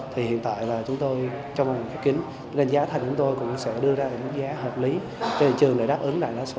thì hiện tại là chúng tôi trong khép kính nên giá thành của chúng tôi cũng sẽ đưa ra một giá hợp lý trên thị trường để đáp ứng lại lãi số của nhu cầu ở